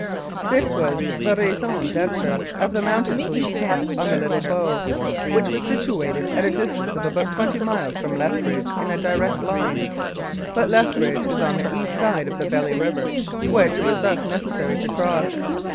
This was the raison d'etre of the Mounted Police camp on the Little Bow, which was situated at a distance of about twenty miles from Lethbridge in a direct line. But Lethbridge is on the east side of the Belly River, which it was thus necessary to cross.